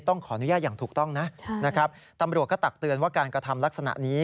ขออนุญาตอย่างถูกต้องนะนะครับตำรวจก็ตักเตือนว่าการกระทำลักษณะนี้